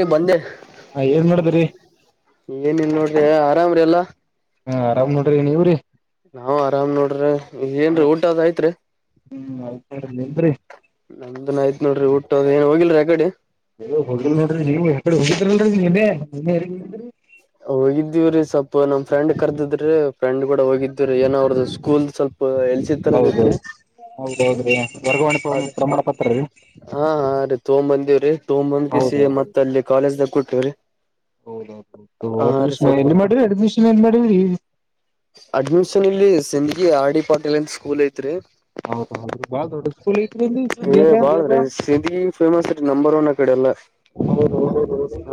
ೀ ಬಂದೆ ಹಾ ಏನ್ ಮಾಡದ್ರಿ ಏನಿಲ್ಲ ನೋಡ್ರಿ ಆರಾಮ್ರ ಎಲ್ಲ ಹಾ ಆರಾಮ್ ನೋಡ್ರಿ ನೀವ್ರರಿ ನಾವವು ಆರಾಮ್ ನೋಡ್ರಿ ಏನ್ರಿ ಹ್ಮ್ ಊಟದಯ್ತ್ರಿ ಆಯ್ತ್ ನೋಡ್ರಿ ನಿಮ್ದ್ರಿ ನಮ್ದನ್ ಆಯ್ತ್ ನೋಡ್ರಿ ಊಟ ಏನ್ ಹೋಗಿಲ್ರಿ ಆಗಡೆ ಹೋಗ ನೋಡಿ ನೀವುಡೆ ಹೋಗಿದ್ರಲ್ರಿ ನೀನ್ನೇ ಹೋಗಿದ್ದೀವ್ರೀ ಸ್ವಲ್ ಇ ನಮ್ಮ ಫ್ರೆಂಡ್ ಕರೆದಿದ್ರ ಫ್ರೆಂಡ್ ಕೂಡ ಹೋಗಿದ್ರರು ಏನೋ ಅವ್ರದು ಸ್ಕೂಲ್ ಸ್ವಲ್ಪ ಹೌದೌದು [unintelligible] ಹೌದೌದ್ರಿ ವರ್ಗಾವಾಣೆ ಪ್ರ ಅದ ಪ್ರಮಾಣ ಪತ್ರ ರೀ. ತೊಂಬೊಂದ್ ಕಿಸಿ ಮತ್ತ ಅಲ್ಲಿ ಕಾಲೇಜ್ದಗ ಕೋಟಿವ್ರಿ. ಹೌದನ್ [unintelligible] ಮಾಡ್ರಿ ಅಡ್ಮಿಷನ್ ಏನ್ ಮಾಡ್ರಿ ಅಡ್ಮಿಷನ್ ಇಲ್ಲಿ ಸೆಂದ್ಗಿ ಆರ್ಡಿ ಪಾಟೀಲ್ಂತ ಸ್ಕೂಲ್ ಐತ್ರಿ. ಹೌದೌದ್ರಿ ಬಾಳ ದೊಡ್ಡ ಸ್ಕೂಲ್ ಐತ್ರಿ ಅಲ್ಲಿ ಹೇ ಸಿಂಗ್ಯಾಗ ಬಳ್ ರಿ ಸಿಂದ್ಗಿ ಫೇಮಸ್ ನಂಬರ್ ಒನ್ ಆ ಕಡೆ ಎಲ್ಲ. ಹೌದೌದು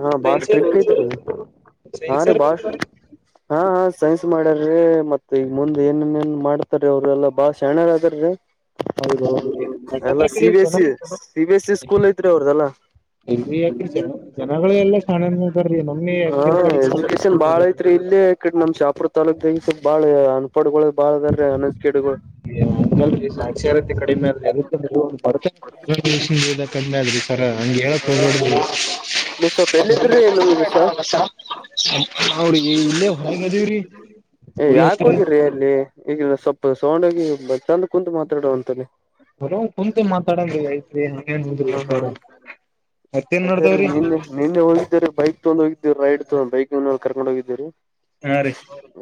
ಹಾ ಬಾಳ ಸೈನ್ಸ್ ಸ್ಟ್ರಿಕ್ ಇರ್ಬೇಕಲ್ರಿ ಐತ್ರಿ ಹಾ ಸೈನ್ಸ್ ರೀ ಬಾಳ ಸ್ಟ್ರಿ ಇರ್ಬೇಕಲ್ರಿ ಹಾ ಹಾ ಸೈನ್ಸ್ ಮಾಡ್ಯರ್ ಹೇ ಮತ್ತ್ ಈಗ ಮುಂದೆ ಏನೇನ್ ಮಾಡ್ತಾರೆ ಅವ್ರ ಎಲ್ಲಾ ಬಾಳ ಶಣರ್ ಅದರಿ ಹೌದೌದ್ರಿ ಎಲ್ಲ ಯಾಕಂದ್ರ ಆ ಸಿ ಕಡೆ ಬಿ ಜನ S C B S school ಐತ್ರಿ ಅವರ್ದಲ್ಲ. ಇಲ್ರಿ ಯಾಕ್ರಿ ಜನ ಜನಗಳು ಎಲ್ಲಾ ಶಾಣೆನ ಅದಾರ್ರಿ ನಮ್ಮೆ ಹಾ ಯಾಕಿರ್ ಕಡೆ ಎಜುಕೇಶನ್ ಬಾಳ ಸ್ವಲ್ಪ ಐತ್ರಿ ಇ ಇಲ್ಲಿಡೆ ನಮ್ ಶಾಪುರ್ ತಾಾಲೂಕು ಈ ಸ ಬಾಳ ಅನ್ಪಾಡ್ಗಳು ಬಾಳ ಅನ್ ಎಜುಕೇಟೆಡ್ ಗಳು ಅಂಗಲ್ರೀ ಸಾಕ್ಷರತೆ ಕಡಿಮೆ [unintelligible] ಸರ ಹಂಗೆ ಹೇಳಕ್ ಹೋಗ್ಬೆಡ್ರಿ. ನೀವ್ ಸ್ವಲ್ಪ ಎಲ್ಲಿದ್ರಿ ನಮ್ಗೆ ಸ [unintelligible] ನ್ರಿ ಇಲ್ಲೇ ಹೊಗಿದೇವ್ರಿ. ಯಾಕ ಹೋಗಿರ್ರಿ ಅಲ್ಲಿ ಈಗ ಸ್ವಲ್ಪ ಸೌಂಡಗಿ ಚಂದ ಕುಂತ ಮಾತಾಡುವಂತಲ್ಲಿ. ಹರ ಕುಂತ ಮಾತಾಡಂಗ್ರೀ ಐತ್ರಿ ಹೇನು ಹಂದ್ರಿ ಎಪ್ಪಾರ ಅದೆ ನಿನ್ನೆ ನಿನ್ನೆ ಹೋಗಿದ್ದರೆ ಬೈಕ್ ತಗೊಂಡ ಹೋಗಿದ್ದೀರು ರೈಡ್ ತಗೊಂಡ ಬೈಕ್ಲ್ಲಿ ಕರ್ಕೊಂಡು ಹೋಗಿದ್ದೀರಿ. ಹಾ ರೀ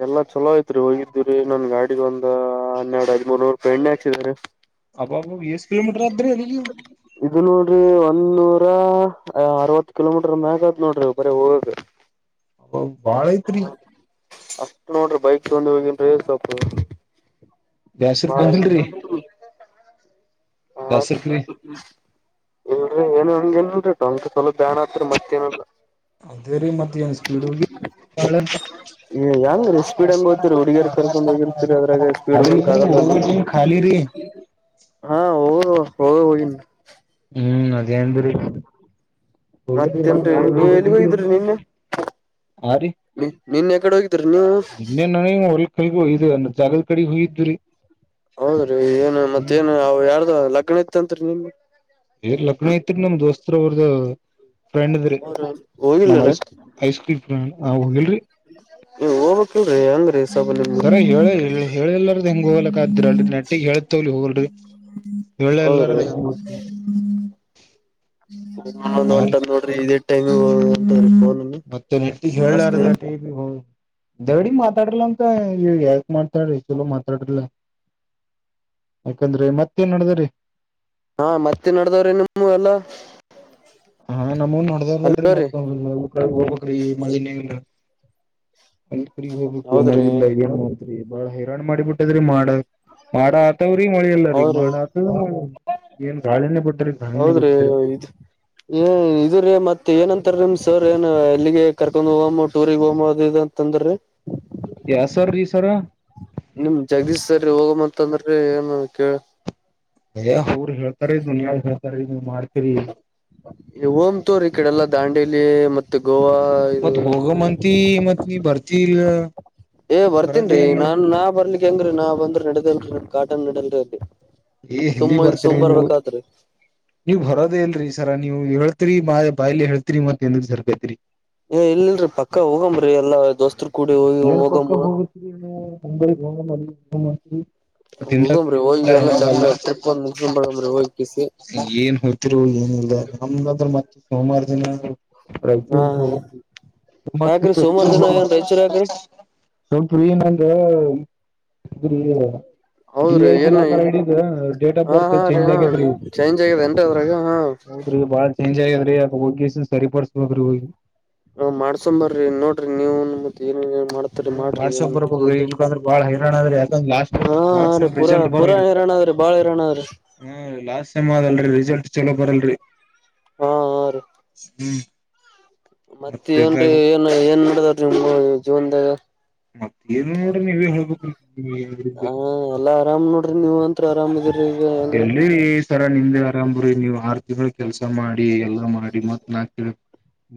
ಎಲ್ಲಾ ಚಲೋ ಐತ್ರಿ ಹೋಗಿದ್. ಇದರಿ ನನ್ ಗಾಡಿಗೆ ಒಂದ್ ಹನ್ನೆರಡು ಹದಿಮೂರ್ನೂರುಪ ಎಣ್ಣೆ ಹಚಿದ್ರಿ. ಅಬ್ಬಾಬ ಎಷ್ಟ್ ಕಿಲೋಮೀಟರ್ ಆದ್ರಿ ಅಲ್ಲಿಗೆ ಇದು ನೋಡ್ರಿ ಒಂದ ನೂರ ಅರವತ್ತು ಕಿಲೋಮೀಟರ್ ಮ್ಯಾಗದ್ ನೋಡ್ರಿ ಬರಿ ಹೋಗಕೆ. ಅಬ್ಬಾಬ್ ಬಾಳ ಐತ್ರಿ ನೋಡ್ರಿ ಬೈಕ್ ತೊಂದು ಹೋಗಿನ್ ಸೊಪ್ಪು ಬ್ಯಾಸರ್ಗ್ ಬಂದಿಲ್ರಿ [unintelligible] ಹ ಬ್ಯಾಸರ್ಕ್ರಿ ಇಲ್ರಿ ಏನು ಹಂಗ [unintelligible] ಸ್ವಲಪ ಬ್ಯಾನ್ ಹತ್ರ ಮತ್ತೇ ಅದೇ ರೀ ಮತ್ ಏನ್ ಸ್ಪೀಡ್ ಹೋಗಿ ಯಂಗ ರಿ ಸ್ಪೀಡಂಗೂತ್ತರು ಹುಡ್ಗೀರ್. ಕರ್ಕೊಂಡ್ ಹೋಗಿರ್ತೀರಿ ಅದ್ರಾಗ ಸ್ಪೀಡ್ ಅದ್ರಿ ಹೋಗಕ್ ಹೋಗೋ ಆಗಲ್ಲ ಟೈಮ್ ಖಾಲಿ ರೀ ಹ ಹ ಹ ಹೋಗಿವ್ನಿ ಹ್ಮ್ ಅದೇಂದ್ರೀ ಮತ್ತೇನ್ರಿ ನೀವ್ ಎಲ್ಲಿಗ್ ಹೋಗಿದ್ರಿ ನಿನ್ನೆ [unintelligible] ಆ ರೀ ನಿನ್ನೆ ಯಕಡೆ ಹೋಗಿದ್ರಿ ನೀವು ನಿನ್ನೆ ನನಗೆ ಹೊಲ್ ಕೈಗಯದು ಅ ಜಾಗಲ್ ಕಡಿ ಹೋಗಿ ಇದ್ದುರಿ ಹೌದ್ರಿ ಏನು ಮತ್ತೇಏನು ಯಾರ್ದ ಲಗ್ನ ಇತ್ತತ್ರಿ ನಿನ್ನಿ ಏ ಲಗ್ನ ಐತ್ರಿ ನಮ್ ದೋಸ್ತ ಅವ್ರದ ಫ್ರೆಂಡ್ದ್ರಿ ಅವ್ರ ರಿ ಹೋಗಿಲ್ಲರಿ ಐಸ್ಕ್ರಲ್ ಫ್ರ್ ಹ ಹೋಗಲ್ರರಿ ನೀ ಹೋಗ್ಕ್ ಇಲ್ರಿ ಅಂಗ್ರೀ ಸರ ಹೇಳ ಹೇಳಿಲ್ಲಾರ್ದ ಹೆಂಗ ಹೋಗ್ಲಕ್ಕ ಆದ್ರಿ ಅಲ್ ನೆಟ್ಟಿಗ್ ಹೇತವಲಿ ಹೋಗಲ್ರರಿ ಹೌದ್ರಿ [unintelligible] ಒ ಒಂಟದ ನೋಡ್ರಿ ಇದೇ ಟೈಮ ಮತ್ತೆ ನಿಟ್ಟಿಗೆ ಹೇಳಾರ್ದ ಟಗಿ ನೀವು ಹ ದೌಡಿ ಮಾತಾಡಲ ಅಂತ ಯಾಕ ಮಾತಾಡ್ರಿ ಚಲೋ ಮಾತಾಡ್ರಿಲ್ಲ ಯಾಕಂದ್ರೆ ಮತ್ತೇನ್ ನಡ್ದ್ರೀ ಹಾ ಮತ್ತೆ ನಡದಾವ್ರ ನಿಮ್ಮ ಎಲ್ಲಾ ಹಾ ನಮೂನ್ ನೋಡ್ದ್ ನೋಡ್ರಿ ಅಲ್ರೀ ಮತ್ತ ಹೋಗ್ಬೇಕ್ರೀ ಮಳಿ ನೇ ಇಲ್ಲ [unintelligible] ಹೋಗ್ಬೇಕು ಹೌದ್ರಿ ಮಳೆಯಿಂದ ಹೇ ಬಾಳ ಹೈರಾಣ ಮಾಡಿ ಬಿಟ್ಟದ್ರಿ ಮಾಡ ಮಾಡ ಹತ್ತವ್ರೀ ಮಳಿಲ್ಲ ರೀ ಹೌದ್ರಿ ಮಾಡಾತ ಏನ್ ಗಾಳಿನೇ ಬಿಟ್ರಿ ಗಣಿನೇ ಹೌದ್ರಿ ಬಿಟ್ರಿ. [inaudible] ಏ ಇದು ರೀ ಮತ್ತ ಏನಂತಾರೀ ಸರ್ ಏನು ಎಲ್ಲಿಗೆ ಕರ್ಕೊಂಡ ಹೋಗು ಟೂರ್ ಹೋಗು ಅದು ಇದು ಅಂತಂದ್ರ ಟ ರಿ ಯ ಸರ್ ರೀ ಸರ್ ನಿಮ ಜಗೀ ಸರಿ ಹೋಗಮ್ಮಂತಂದ್ರೆ ಏನು ಕೇಳ ಯ ಊರ್ ಹೇಳ್ತಾರ ದುನಿಯಾ ಹೇಳ್ತಾರ ನೀವ್ ಮಾಡ್ತೀರಿ ಓಮ ತೋ್ರಿ ಈ ಕಡೆಲ್ಲ ದಾಂಡೇಲಿ ಮತ್ತ ಮತ್ ಹೋಗ ಮಂತಿ ಮತ್ ನೀ ಬರ್ತಿ ಇಲ್ಲ ಬರದ ಇಲ್ಲ ಹಂಗ್ರೀ ನಾ್ಂದ್ರ ನದೇಲ್ ಕಾಟನ್ ನಡಲ್ರಿ ಅಲ್ಲಿ ಏ ಎಲ್ಲಿ ಸುಮ್ಮ್ಿಂದ ಬರ್ತೀರಿ ನೀವು ಸುಮ್ರ್ಬೇಕತ್ರಿ ನೀವ್ ಬರೋದೇ ಇಲ್ರಿ ಸರ ನೀವ್ ಹೇಳ್ತರಿ ಮಾ ಬಾಯಿಲಿ ಹೇಳ್ತಿರಿ ಮತ್ ಎಂದ ಸರ್ಕೈತ್ರಿ ಏ ಇಲ್ರರಿ ಪಕ್ಕ ಹೋಗಂಬ್ರಿ ಎಲ್ಲಾ ದೋಸ್ತರು ಕೂಡಿ ಹೋಗಿ ಹೋಗಮ್ಮ [unintelligible] ಮಂದಿ ಸ ಹೋಗಂಬ್ರಿ ಹೋಗಿ ಎಲ್ಲಾ ಚಂದ ಟ್ರಿಪ್ ಒಂದ್ ಮುಗಸಕೊಂಡ್ ಬರಮ್ರಿ ಹೋಗಿ ಕಿಸಿ [unintelligible] ಏನ್ ಹೇಳ್ತಿರು ಏನ್ಿಲ್ಲ ನಮ್ಂದ್ರ ಮತ್ತೆ ಸೋಮಾರ ದಿನ ಹಾ ರೈಚೂರ ಹೋಗಮ್ ಯಾಕ್ರಿ ಸೋಮವಾರ ದಿನ ಏನ್ ರಾಯಚೂರ್ ಯಾಕ್ರಿ [unintelligible] ಸ್ವಲ್ಪೀ ನಂಗ ಡಿ ಹೌದ್ರಿ ಐ ಸಿ ಏನ್ ಲಾಕರ್ ಐಡಿ ಡೇಟ್ ಆಫ್ ಹಾ ಬರ್ತ್ ಹಾ ರೀ ಚೇಂಜ್ ಹಾ ಆಗ್ಯತ್ೀ ಚೇಂಜ್ ಆಗ್ಯದೇನ್ರಿ ಅದ್ರಾಗ ಹಾ ಹೌದ್ರಿ ಬಾಳ ಚೇಂಜ್ ಆಗ್ಯದ್ರಿ ಅ ಹೋಗಿನ್ ಸರಿಪಡ್ಸ್ಬೋದ್ರಿ ಹೋಗಿ ಹ ಮಾಡ್ಸೊಂಬರ್ರಿ ನೋಡ್ರಿ ನೀವತ್ ಏ ಮಾಡ್ತರಿ ಮಾಡ್ರಿ ಏ ಮಾಡ್ಸಕ್ ಬರ್ಬೇಕ್ರಿ ಇಲ್ಕಂದ್ರ ಬಾಳ ಹೈರಾಣ ಅದ್ರಿ ಯಾಕಂದ್ರ ಲಾಸ್ಟ್ ಹಾ ಹಾ ಲಾಸ್ಟ್ ರೀ ಸೆಮ್ ಪೂರಾ ಪೂರಾ ಹೈರಾಣ ್ರೆ ಬಾಳ ಇರೋನಾದ್ರೆ ಹ್ಮ ಲಾಸ್ಟ್ ೈಮ್ ಆದಲ್ರಿ ರಿಸಲ್ಟ್ ಚಲೋ ಬರಲ್ರಿ ಹಾ ಹ್ಮ್ ಮತ್ತ ಮತ್ತೆ ಏನ್ೀ ಏನ್ ಏನ್ ನೋಡದವ ನಿಮ ಜೀವನ್ದಾಗ ಮತ್ತ ಏನು ನೋಡ್ರಿ ನೀವೇ ಹ ಹೇಳ್ಬೇಕ್ರಿ ಎಾ ಆರಾಮ್ ನೋಡ್ರಿ ನೀವ್ ಅಂತ್ ಆರಾಮಾಗಿರರಿ ಎಲ್ಲಿ ಸರ ನಿಮ್ದೆ ಆರಾಮ್ರಿ ನೀವ್ ಆರ್ ತಿಗಳು ಕೆಲ್ಸ ಮಾಡಿ ಎಲ್ಲಾ ಮಾಡಿ ಮತ್ ನಾ ಕ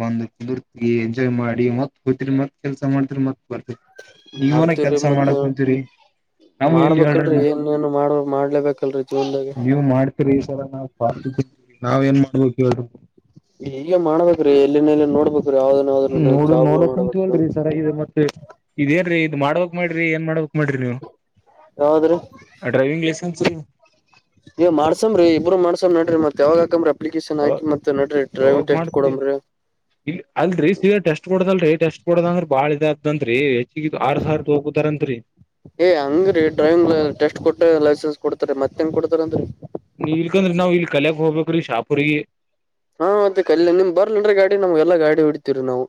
ಬಂದ ಕುಂದರ್ತಿ ಎಂಜಾಯ್ ಮಾಡಿ ಮತ್ ಹೋ್ತರಿ ಮತ್ ಕೆಲ್ಸ ಮಾಡ್ತಿರಿ ಮತ್ ಬರ್ತರಿ ನೀವನ ಮಾಡ್ತೀವ್ರಿ ಕೆಲ್ಸ ಮಾಡ ಮತ್ತ ಕುಂತಿರಿ ಮಾಡ್ಬೇಕಲ್ರರಿ ಏನ್ ಏನು ಮಾಡ ಮಾಡ್ಲೇಬೇಕಲ್ರರಿ ಜೀವನ್ದಾಗ ನೀವ್ ಮಾಡ್ತೀರಿ ಈ ತರ ನಾತ ನಾವ್ ಏನ್ ಮಾಡ್ಬೇಕ ಹೇಳ ಈಗ ಮಾಡ್ಬೇಕ್ರೀ ಎಲ್ಲಿನಲ್ಲಿ ನೋಡ್ಬೇಕ ನೋಡು ನೋಡಕ್ ಅಂತವಲ್ರಿ ಸರ ಇ ಮತ್ತೆ ಇದೇನ್ೀ ಮಾಡ್ಬೇಕಕ್ ಮಾಡ್ರಿ ಏನ್ ಮಾಡ್ಬೇಕಕ್ ಮಾಡ್ರಿ ನೀವು ಯಾವದ್ರೀ [unintelligible] ನೀವ್ ಮಾಡ್ಸಂಬ್ರಿ ಇಬ್ಬರು ಮಾಡಸ್ ನಡ್ರ ಮತ್ ಯಾವಾಗ ಹಾಕ್ರಿ ಅಪ್ಲಿಕೇಶನ್ ಹಾಕಿ ಮತ್ತ ನ್ರರಿ ಡ್ರೈವಿಂಗ್ ಯಾವಾಗ್ ಟೆಸ್ಟ್ ಮಾಡ್ತರಿ ಕೊಡಂಬೀ ಇಲ್ ಅಲ್ರಿ ಸೀರಿ ಟೆಸ್ಟ್ ಕೊಡದಲ್ರರಿ ಟೆಸ್ಟ್ ಕೊಡದಂಗ್ರ ಬಾಳ ಇದ ಅದನ್ರಿ ಏ ಹಂಗ್ರೀ ಡ್ರೈವಿಂಗ್ ಟೆಸ್ಟ್ ಕೊಟ್ಟ ಲೈಸೆನ್ಸ್ ಕೊಡ್ತಾರೆ ಮತ್ತೆಂಗ ಕೊಡ್ತಾರ ಅಂದ್ರರಿ ನೀ ಇಲ್ಕಂದ್ರಿ ನಾವ್ ಇಲ್ ಕಲೆಕ್ ಹೋಗಬೇಕ್ರಿ ಶಾಪೂರಿಗೆ ಹಾ ಮತ್ತೆ ಕಲ್ ನಿಮ್ ಬರ್ಲನ್ರಿೀ ಗಾಡಿ ನಮ್ಗೆಲ್ಲಾ ಗಾಡಿ ಹೊಡತಿೀವರಿ ನಾವು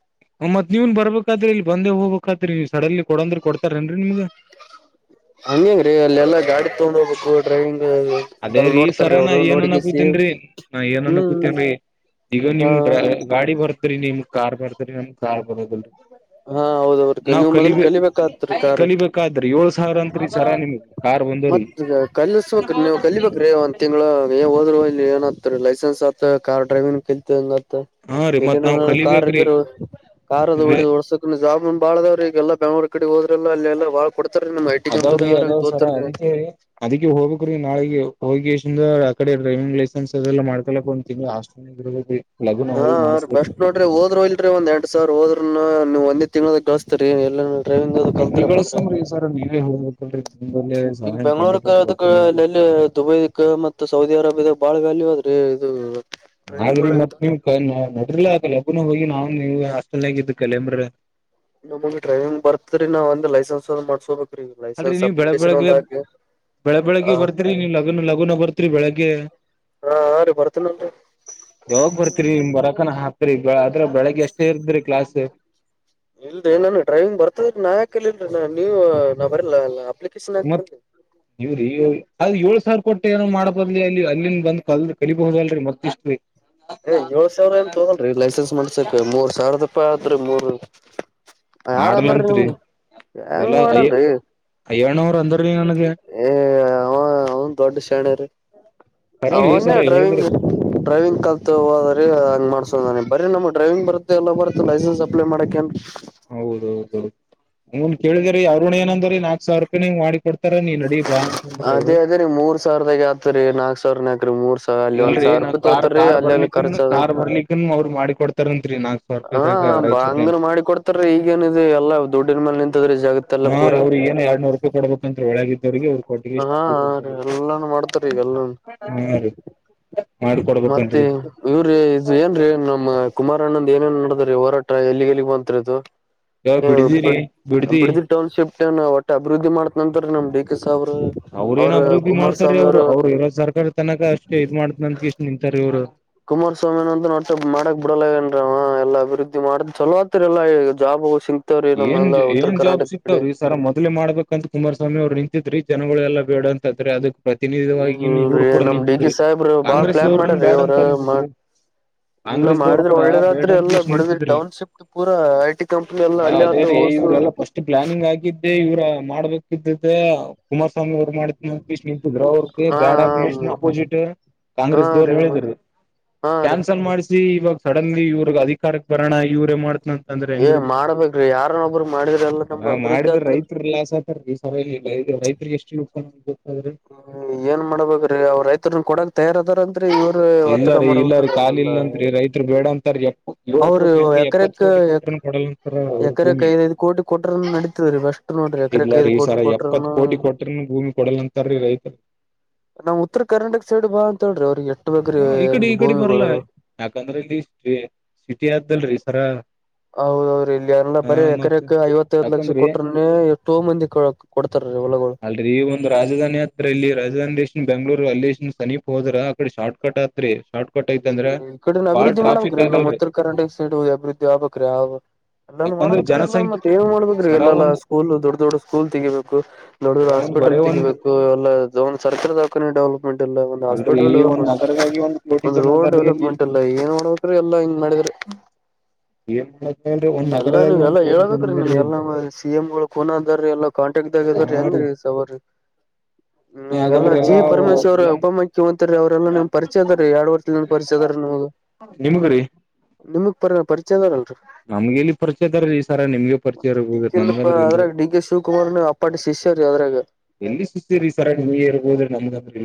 ಮತ್ ನೀವನ್ ಬರ್ಬೇಕಾದ್ರಿ ಇಲ್ಲಿ ಬಂದೇ ಹೋಗ್ಬೇಕಾದ್ರಿ ನೀವು ಸಡನ್ಲಿ ಕೊಡಂದ್ರ ಕೊಡ್ತಾರೇನ್ರೀ ನಿಮ್ಗ ಹಂಗಂಗ್ರೀ ಅಲ್ಲೆಲ್ಲಾ ಗಾಡಿ ತೊಗೊಂಡ್ ಹೋಗ್ಬೇಕು ಡ್ರೈವಿಂಗ್ ಅದೇ ಕಲ್ ರೀ ಈ ಸರ ನೋಡ್ತಾರೀ ನ ಅವ್ರು ಏನನ್ನ ನೋಡಗಿಸಿ ಕೂತನ್ಿ ನಾ ಏನ್ನ್ನ ಹ್ಮ್ ಕೂತನ್ರಿ ಈಗ ನಿಮ ಹಾ ಡ್ರೈ ಗಾಡಿ ಬರ್ತ್ರಿ ನಿಮ ಕಾರ್ ಬರ್ತ್ರಿ ನಮ ಕಾರ್ ಬರದಲ್ರರಿ ಹಾ ಹೌದವ್ರ ನಾವ್ ನೀವ್ ಮೊದ್ಲು ಕಲಿಬೇಕ ಕಲಿಬೇಕಾತ್ರಿ ಕಾರ್ ಕಲಿಬೇಕಾದ್ರಿ ಏಳ್ ಸಾವಿರ ಅತ್ರಿ ಈ ಸರ ನಿಮಗೆ ಮತ್ ಕಲಸ್ಬೇಕ ನೀವು ಕಲಿಬೇಕ ೀ ಒಂದ್ ತಿಂಗ್ಳ ಏ ಹೋದ್ರು ಇಲ್ಲಿ ಏನ್ತ್ರಿ ಲೈಸೆನ್ಸ್ ಆತ್ ಕಾರ್ ಡ್ರೈವಿಂಗ್ ಕಂಗ ಹ್ಮ ಇಲ್ಲಿ ನ ಕಾರ್ -ಗಿರ್ ಕಾರದಹೊಡ್ಸಕನು ಜಾಬ್ ಬಾಳ್ಅದಾವರಿ. ಈಗ ಎಲ್ಲಾ ಬೆಂಗ್ಳೂರು ಕಡೆ ಹೋದ ಅಂದ್ರನು ಅಲ್ಲಿ ಎಲ್ಲರ ಬಾಳ ಕೊಡ್ತಾರೆ ನಮ್ಮ ಅದಾವ್ರಿ ಐಟಿಕಂಪನಿದಾಗ ಅದಾವ್ ಸರ ಅದರಾಗತೋಗತಾರಿ. ಅದಕ್ಕೆ ಅದಕ್ಕೆ ಹೋಗಬೇಕ್ರೀ ನಾಳಿಗೆ ಹೋಗಿ ಕೆಸಿಂದ ಆ ಕಡೆ ಡ್ರೈವಿಂಗ್ ಲೈಸೆನ್ಸ್ ಅದೆಲ್ಲ ಮಾಡ್ಕಲಕ್. ಒಂದ ತಿಂಗ್ಳ ಅಿ [inaudible] ಹಾ, ಬೆಸ್ಟ್ ನೋಡ್ರಿ ಹೋದ್ರು ಇಲ್ರಿ ಒಂದ್ ಎಂಟ ಸಾವಿರ ಹೋದ್ರನು ನೀವು ಒಂದೇ ತಿಂಗಳದಗ ಗಳಿಸ್ತಿರಿ ಎಲ್ಲ ಡ್ರೈವಿಂಗ್ ಅದು ಕಲ್ತಾರಪ್ಪ ಎಲ್ಲಿಿಸ ಅಂದ್ರ ಸ ನೀವೇ ಹೇಬೇಕಲ್ [unintelligible] ಈಗ ಬೆಂಗಳೂರ್ಕ ಅದಕ ಅಲ್ಲಿ ಎಲ್ಲಿದುಬೈಕ್ ಮತ್ತ ಸೌದಿ ಅರೇಬಿಯ ಬಾಳ ವ್ಯಾಲ್ಯೂ ಆದ್ರಿ ಇದು ಡ್ರೈವಿಂಗ್ ಹಾಗ್ರಿ ಮತ್ತ ಮಾಡಾಕ ನೀವ್ ಕ [unintelligible] ಅ ಅದ ಲಬ್ಬ [unintelligible] ನ ಹೋಗಿ ನಾವು ನೀವು ಹಾಸ್ಟಲ್ ಆಗ ಇದ ಕಲಂಬ್ರಿ ನಮಗ್ ಡ್ರೈವಿಂಗ್ ಬರ್ತ್ರಿದ್ರಿ. ನಾವ್ ಅಂದ್ರಾ ಲೈಸೆನ್ಸ್ ಅವು ಮಾಡಸ್ಕೋಬೇಕ್ರೀ ಅಲ್ರಿ ಲೈಸೆನ್ಸ್ ನೀವ್ ಬೆಳ ಅಪ್ಲಿಕೇಶನ್ ಬೆಳಗ್ಗೆ ಒಂದಹಾಕಿ ಬೆಳ ಬೆಳಿಗ್ಗೆ ಬರ್ತೀರಿ ನೀವು ಲಗುನ- ಲಗುನ ಬರ್ತೀರಿ ಬೆಳಿಗ್ಗೆ. ಹಾ ಹಾ ರೀ ಬರ್ತೇನಲ್ರಿ ಯಾವಾಗ ಬರ್ತೀರಿ ನಿಮ ಬರಕಾನ ಹ ಅದ್ರ ಬೆಳಗ್ಗೆ ಅಷ್ಟೇ ಇರ್ತದ್ರಿ ಕ್ಲಾಸ್ ಇಲ್ರಿ ನನ್ಗ ಡ್ರೈವಿಂಗ್ ಬರ್ತದ್ರಿ ನಾ ಯಾಕ ಕಲಿಲ್ರಿ. ನೀವು ನಾ ಬರಿಲ್ಲ ಕೃಷ್ಣ [inaudible] ಇವ್ರ ಅ ಏಳು ಸಾವಿರ ಕೊಟ್ಟೆ ಏನೋ ಮಾಡೋ ಬದ್ಲಿ, ಅಲ್ಲಿ ಅಲ್ಲಿನ್ ಬಂದ್ ಕಲ್ ಕಲಿಬಹುದ ಅಲ್ರರಿ ಮತ್ತ ಇಷ್ಟ ಏ ಏಳ್ ಸಾವಿರ ಏನ್ ತಗಲ್ರಿ ಲೈಸೆನ್ಸ್ ಮಾಡಸಕ. ಮೂರ್ ಸಾವಿರದಪ ಆದ್ರರಿ ಮೂರ್ ಯಾರಂದ್ರಿ ಮಾಡಲಂತ್ರಿ ನಿಮ್ಗ ಹೆಂಗ ಎಲ್ಲಾ ಅಯ್ಯ ಮಾಡಲ್ರಿ, ಅಯ್ಯಣ್ಣವ್ರ ಅಂದ್ರಿ ನನಗೆ ಏ ಅವ, ಅವಾ ದೊಡ್ಡ ಸ್ಯಾಣರಿ. ಕರೆ ಅವನ್ನೇ ಸರ ಡ್ರೈವಿಂಗ್ ಹೇಳಿದ್ರಿ ಡ್ರೈವಿಂಗ್ ಕಲ್ತ್ ಹೋದ್ರಿ ಹಂಗ್ ಮಾಡ್ಸೋ ನ ಬರೆನಮ್ಮಗ, ಡ್ರೈವಿಂಗ್ ಬರುತ್ತ ಎಲ್ಲ ಬರ್ತ ಲೈಸೆನ್ಸ್ ಅಪ್ಲೈ ಮಾಡಕಏನ್, ಹೌದೌದು, ಹನ್ ಕೇಳಿದ್ರೀ ಅವ್ರುನ ಏನಂದ್ರೀ ನಾಕ್ ಸಾವಿರ ರೂಪಾಯಿ ನಿಮಗಮಾಡಿ ಕೊಡ್ತೀ, ಅದೇ ಅದೇ ರಿ ಮೂರ್ ಸಾವಿರದಾಗ ಆತರಿ ನಾಕ್ ಸಾವಿರನ ಆ ಇಲ್ರರಿ ನಾ ಕಾರ್- ಕಾರ್ ಅಲ್ಲೇನ್ ಬರ್ಲಿಕನ್ ಖರ್ಚ ಅದ ಕಾರ್ ಬರ್ಲಿಕನ್ ಅವರು ಮಾಡಿ ಕೊಡ್ತಾರಂತ್ರಿ. ನಾ ಹಾ, ಬಾ ಹಂಗ ಮಾಡಿ ಕೊಡ್ತಾರ ಈಗೇಏನದು ಎಲ್ಲಾ ದುಡ್ಡ್ ಹಾ ರ ಅವ್ರಿಗೆ ಏನ್ ಎರಡ್ನೂರು ರೂಪಾಯಿ ಕೊಡ್ಬೇಕಂತ್ರೆ ಒಳಗಿದ್ದವ್ರಿಗೆ ಅವ್ರು ಕೋಟ್ಟಗೇಸಿಂದ ಹಾ ಮಾಡಿ ರೀ ಕೊಡ್ತಾರಂತೆ. - ಎಲ್ಲಾನು ಮಾಡ್ತಾರ ಈಗೆಲ್ಲ. ಮತ್ತೆ ಮಾಡ್ಕೊಡ್ಬೇಕಂತ್ರಿ ಇವ್ರ ಇ ಏನ್ ರೀ ನಮ್ಮ ಕುಮಾರ ಅಣ್ಣಂದ ಏನೇನ್, ಹೊರಾಟ ಎಲ್ಲಿಗೆ ಎಲ್ಲಿಗ್ ಬಂತ್ರಿ ಅದು. ಯಾವ ಬಿಡ್ದಿರಿ ಬಿಡ್ದಿ ಟೌನ್ ಶಿಪ್ಟ ಒಟ್ಟ ಅಭಿವೃದ್ಧಿ ಮಾಡತೀನಿ ಅಂತರಿ ನಮ್ ಡಿ, ಕೆ ಸಾಬ್ರು ಅವ್ರ ಏನ್ ಅಭಿವೃದ್ಧಿ ಮಾಡತಾರೆ. ಅವ್ರು ಅವರು ಇರೋ ಸರ್ಕಾರ ಇರತನಕ ಅಷ್ಟೇ ಇದ್ ಮಾಡ್ತನಂತ ಕೆಸಿಂದಇಷ್ಟ್ ನಿಂತಾರೆ ಇವ್ರ. ಕುಮಾರಸ್ವಾಮಿನಂತನ ಮಾಡಕ್ ಬಿಡಲ್ಲಾಗ ನ್ರಿ ಅವಾ. ಎಲ್ಲಾ ಅಭಿವೃದ್ಧಿ ಮಾಡ್ದ ಚಲೋ ಆಕಗತಿರಿ ಎಲ್ಲ ಈಗ ಜಾಬ ಸಿ ಏನ್ -ಏನ್ ಜಾಬ್ ಸಿಕ್ತಾವ್ರಿ ಸರ ಮೊದ್ಲೇ ಮಾಡ್ಬೇಕಂತ ಕುಮಾರಸ್ವಾಮಿ ಅವ್ರಿ ಜನಗಳೇಲ್ಲ ಬೇಡ ಅಂತದ್ರಿ ಅದಕ್, ಪ್ರತಿನಿಧವ ಇವ್ರು ಇಲ್ರಿ ಕೂಡ ನಮ್ ಡಿ ಕೆ ನಿಂತಿದ್ರಿ ಸಾಹೇಬ್ರು ಬಾಳ್ ಕಾಂಗ್ರೆಸ್ವ್ರದನ್ ಬ್ಯಾಡ ಅಂತ ನಿಂತಿದ್ರಿ, ಇಲ್ಲ ಮಾಡಿದ್ರೆ ಒಳ್ಳೇದಾತ್ರಿ ಎಲ್ಲಾ ಬಿಡದ್ರಿ ಟೌನ್ ಶಿಫ್ಟ್ ಪೂರ ಐ, ಟಿ ಕಂಪನಿ. ಹ, ಅದೇ ರೀ ಇವ್ರೆಲ್ಲಾ ಫಸ್ಟ್ ಪ್ಲಾನಿಂಗ್ ಆಕಿದ್ದೆ ಇವ್ರ ಮಾಡ್ಬೇಕ ಕುಮಾರ್ ಸ್ವಾಮಿ ಸ್ವಾಮಿ ಅವ್ರು ಮಾಡ್ತೀ ನಂತಿದ್ರರು ಅವ್ರ ಹಾ ಬ್ಯಾಡಂತಗೆಸಿಂದ ಅಪೋಸಿಟ್, ಹಾ ಕಾಂಗ್ರೆಸ್ ರೀ ದವರು ಮತ್ ಹೇಳಿದರು ಹಾ ರೀ ಕ್ಯಾನ್ಸಲ್ ಮಾಡ್ಸಿ ಇವಾಗ ಸಡನ್ಲಿ ಇವ್ರಗ್ ಅಧಿಕಾರಕ್ಕೆ ಬರೋಣ. ಇವ್ರೇ ಮಾಡ್ತನ ಅಂತ ಅಂದ್ರೆ ಏ ಹೆಂಗ್ರೀ, ಮಾಡ್ಬೇಕ್ರಿ ಯಾರನೊಬ್ರು ಮಾಡಿದ್ರ ಎಲ್ಲ ನಮ್ ಅಭಿವೃದ್ಧಿ ಮಾಡಿದ್ರ ಆತಲ್ರರಿ ರೈತ್ರಗಿಲಾಸ್ ಆತದ ರಿ ಈ ಸರ್, ಎಷ್ಟುಪು [inaudible] ಏನ್ ಮಾಡಬೇಕ್ರೀ ಅವ್ರುರೈತರನು ಕೊಡಕ್ ತಯಾರದಾರಂತ. ಆದ್ರ ಇವ್ರೆ ಇಲ್ಲ ಒತ್ತಡ ರೀ ಇಲ್ಲ ಮಾಡಕತಾರ ರೀ ಕಾಲ ಒೊಂದು ಇಲ್ಲ ಅಂತ್ರಿ [unintelligible] ರೈತರು ಬೇಡ ಅಂತಾರ ಎಪ್ಪ ಏಳ್ ಅವರು ಕೋಟಿ ಹಾಕಿ ಎಪ್ಪತ್ ಎಕರೆಕ್, ಕೋಟಿ ಕೊಟ್ರನು ಕೊಡಲ್ಲ ಅಂತಾರ ಅವ್ರ ಎಕರೆಕ್ಕ ಭೂಮಿ ಐದ- ಐದು ಕೋಟಿ ಕೊಟ್ರನು ನಡತಾದ್ರೀ ಬೆಸ್ಟ್ ನೋಡ್ರಿ. ಇಲ್ಲ ಎಕರೆಕ್ ಐದು ರೀ ಕೋಟಿ ಸರ ಎಪ್ಪತ್ ಕೊಟ್ರನು. ಕೋಟಿ ಕೊಟ್ರನು ಭೂಮಿ ಕೊಡಲ್ ಅಂತಾರೀ ರೈತರ್, ನಮ್ ಉತ್ತರ ಕರ್ನಾಟಕ ಸೈಡ್ ಬಾ ಅಂತ ಹೇಳ್ರಿ ಅವ್ರಿಗೆ ಎಟ್ಟ ಬೇಕು, ಹ ಈ ಕಡೆ ಈ ಕಡೆ ಬರ್ಲ್ಲ ಯಾಕಂದ್ರೆ ಇಲ್ಲಿ ಸಿಟಿ ಆದಲ್ೀ ಸರಾ ಹೌದೌ್ರಿ ಇಲ್ಲಿ ಅಲ್ಲ ಬರೀ ಮತ್ ಎಕರೆಕ್ ಐವತ್ತೈಐವತ್ತು ಲಕ್ಷ ಯಾಕಂದ್ರಿ ಕೊಟ್ರನೆ ಎಷ್ಟೋ ಮಂದಿ ಕೊ ಅಲ್ೀ ಈ ಒಂದು ರಾಜಧಾನಿ ಹತ್ರ ಇಲ್ಲಿ ರಾಜಧಾನಿಷ್ಟ ಬೆಂಗಳೂರು ಅಲ್ಲಿ ಸನೀಪ್ ಹೋದ್ರ ಅ ಕಡೆ ಶಾರ್ಟ ಕಟ್ ಆತ್ರತ್ರಿ ಹೀ ಈ ಕಡ ಅಭಿವೃದ್ಧಿ ಮಾಡ್ಬ್ರೀ ನಮ್ಮ್ ಆಗಲ್ರಿ ಉತ್ತರ ಕರ್ನಾಟಕ ಸೈಡ್ ಅಭಿವೃದ್ಧಿ ಆಗ್ಬೇಕಕ್್ರಿ ಆ ಅಲ್ಲಾನನ್ ಯಾಕಂದ್ರೆ ಮಾಡ್ಬೇಕ್ರೀ ಎಲ್ಲ ಜನಸಂಖ್ಯೆ ಮತ್ತತ್ ಏನ್ ಮಾಡ್ಬೇಕ್ರಿ ಸರ ಎಲ್ಲಾ ಒಂದ್ ಸ್ೂಲ್ ದೊಡ್ಡ ದೊಡ್ ಸ್ಕೂಲ್ ತೆಗಿಬೇಕು ದೊಡ್ಡ ಸರ ಒಂದ್ ಹಾಸ್ಪಿಟಲ್ ಬರೇ ಒಂದ್ ತಗಬೇಕು ಎಲ್ಲನ್ ಸರ್ಕಾರಾರಿ ದಾಖಾನ ಡ ಂಲ್ಲ ಒ ಅಲ್ರರಿ ಹಾಸ್ಪಿಟಲ್ ಒಂದ್ ಡೆವಲಪೆಂಟ ನಗರದಾಗಿ ಒಂದ್ ಕೋಟಿ ಒಂದು್ ಜನ ರೋಡ್ ಅದಾರೀ ಅಲ್ಲಿ ಡೆವಲಪ್ಮೆಂಟ್ ಎಲ್ಲ ಏನ್ ಮಾಡೋಡ್ಬೇಕ್ರ ಎಲ್ಲಾ ಹಿಂಗ ಮಾಡಿದ್ರೆ ಎ ಎಲ್ಲಾ ನೀವ್ ಎಲ್ಲ ಹೇಳ್ಬೇಕ್ರೀ ನಿಮ್ಗೆಲ್ಲ ಸಿ ಎಂ ಗಳು ೋನ್ ಅದಾರ ಎಲ್ಲಾ ಹಾ ರೀ ಕಾಂಟ್ಯಾಕ್ಟ್ಾಗ್ಯದ್ರ ಸವರು ನಿಮ್ಗೆಲ್ಲಾ ಆಗಲ್ರಿ ಜಿ ಎಲ್ಲಾ ಪರಮೇಶ್ವರ ಎಲ್ಲ ಉಪಮುಖ್ಯಂತ್ರಿ ಅವರೆಲ್ಲಾ ನಿಮ್ ಪರಿಚಯ ಅದ ರ ಎರಡ್ ವರ್ಷ ಪರಿಚಯದ ಹೋಗ ನಿಮ್ ಕರಿ ನಿಮಗ್ ಪರಿ ಪರಿಚಯ ಅದಾರಲ್ರರಿ ನಮ್ಗೆ ಎಲ್ಲಿ ಪರಿಚಯ ಅದಾರ ಈ ಸರ ನಿಮ್ಗೆ ಪರಿಚಯ ಇರ್ಬುದ ನಮ್ಗ ಇಲ್ಪಾ ಅದ್ರನ್ೀ ಅದ್ರಾಗ ಡಿ ಕೆ ಶಿವಕುಮಾರ್ನು ಅಪ್ಪಾಟಿ ಶಿಷ್ಯರಿ ಅದ್ರಾಗ ಎಲ್ಲಿ ಸುಸ್ತೀ್ರೀ ಸರ ನೀ ಇರ್ ಹೋದ್ರಿ ನಮ್ದಗಂದ್ರ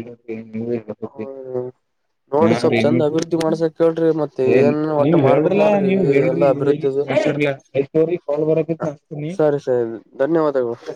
ಹ ನೋಡ್ರಿ ಸ್ವಲ್ಪ್ ಚಂದ ಅಭಿವೃದ್ಧಿ ಮಾಡ್ಸಕ್ ಕೇಳ್ರಿ ಮತ್ತೆ ಏನ್ ಒಟ್ಟ ನೀವ್ ಮಾಡ್ಬಕ್ ಹೇಳ್ರಲ್ಲಾ ನೋಡ್ರಿ ನೀವ್ ಹೇಳ್ರಿ ಎಲ್ಲಾ ಹೇಳ್ ಅಿವೃದ್ಧ ಮಾಡ್ಸರ್ಲಾ ಆಯ್ತ್ ತೋರಿ ಕಾಲ್ ಬರಕತ್ ನಾ ಹಚ್ತೀನಿ ಸರಿ ಸರಿ ಧನ್ಯವಾದಗಳು [inaudible]